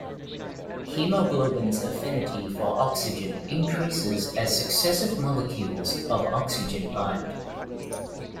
Hemoglobin's affinity for oxygen increases as successive molecules of oxygen bind.